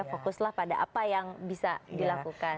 fokuslah pada apa yang bisa dilakukan